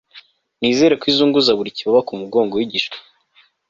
nizera ko izunguza buri kibaba ku mugongo w'igishwi